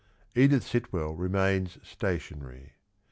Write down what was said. ... Edith Sitwell remains stationary.